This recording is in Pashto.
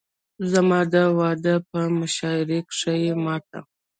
زما د واده په مشاعره کښې يې ما ته